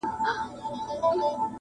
چي يې مور شېردل ته ژبه ورنژدې کړه،